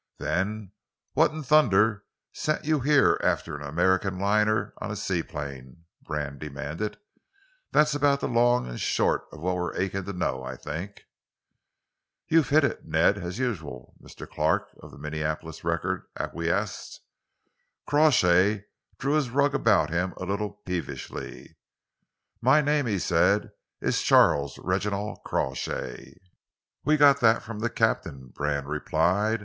"Then what in thunder sent you here after an American liner on a seaplane?" Brand demanded. "That's about the long and short of what we're aching to know, I think." "You've hit it, Ned, as usual," Mr. Clark, of the Minneapolis Record, acquiesced. Crawshay drew his rug about him a little peevishly. "My name," he said, "is Charles Reginald Crawshay." "We got that from the captain," Brand replied.